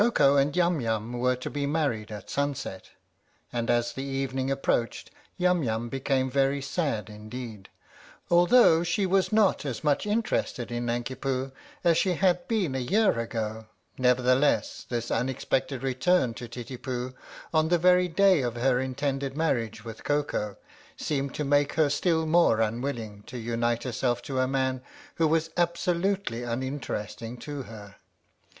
45 OKO and Yum Yum were to be married at sunset, and as the evening approached Yum Yum became very sad indeed. Although she was not as much interested in Nanki Poo as she had been a year ago, nevertheless his unexpected return to Titipu on the very day of her intended marriage with Koko seemed to make her still more unwilling to unite herself to a man who was absolutely unin teresting to her.